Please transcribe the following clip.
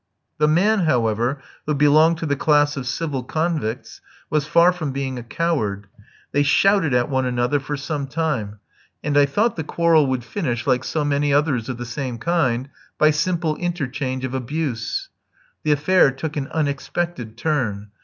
The man, however, who belonged to the class of civil convicts, was far from being a coward. They shouted at one another for some time, and I thought the quarrel would finish like so many others of the same kind, by simple interchange of abuse. The affair took an unexpected turn.